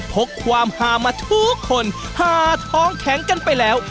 กความหามาทุกคนหาท้องแข็งกันไปแล้ว